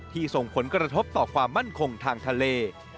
ส่งผลกระทบต่อความมั่นคงทางทะเล